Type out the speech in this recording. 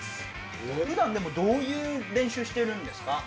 普段どういう練習してるんですか？